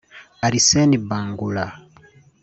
Alseny Bangoura